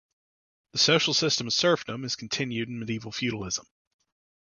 The social system of serfdom is continued in medieval feudalism.